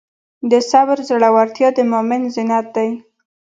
د صبر زړورتیا د مؤمن زینت دی.